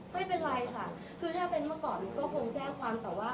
ไม่เป็นไรค่ะคือถ้าเป็นเมื่อก่อนก็คงแจ้งความแต่ว่า